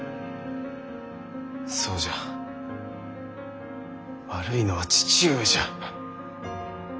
そうじゃ悪いのは父上じゃ。